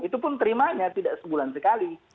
itu pun terimanya tidak sebulan sekali